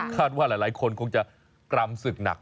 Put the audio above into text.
ว่าหลายคนคงจะกรำศึกหนัก